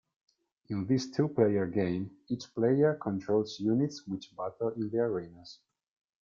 In this two-player game, each player controls units which battle in the arenas.